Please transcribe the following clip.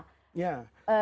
jadi tadi apa